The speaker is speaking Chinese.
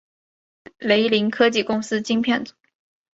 雷凌科技公司晶片组。